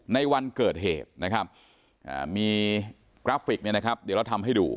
ในวันเกิดเหตุนะครับมีกราฟิกเนี่ยนะครับเดี๋ยวเราทำให้ดู